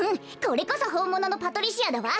これこそほんもののパトリシアだわ。